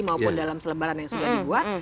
maupun dalam selebaran yang sudah dibuat